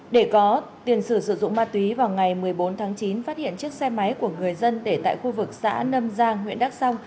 để có tiền sử sử dụng ma túy vào ngày một mươi bốn tháng chín phát hiện chiếc xe máy của người dân để tại khu vực xã nâm giang huyện đắk song